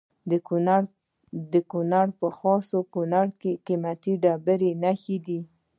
د کونړ په خاص کونړ کې د قیمتي ډبرو نښې دي.